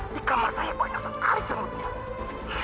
di kamar saya banyak sekali semutnya